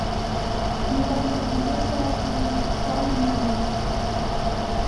Миляндым кузе шелаш минь планым ыштен.